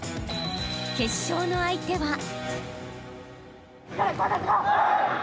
［決勝の相手は］